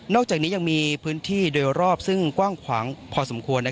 อกจากนี้ยังมีพื้นที่โดยรอบซึ่งกว้างขวางพอสมควร